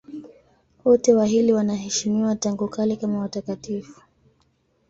Wote wawili wanaheshimiwa tangu kale kama watakatifu.